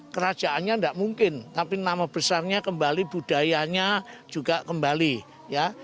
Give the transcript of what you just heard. kerajaannya tidak mungkin tapi nama besarnya kembali budayanya juga kembali ya